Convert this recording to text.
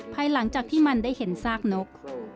ภายหลังจากที่มันได้เห็นซากนก